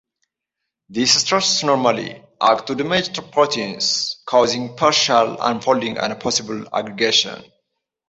These stresses normally act to damage proteins, causing partial unfolding and possible aggregation.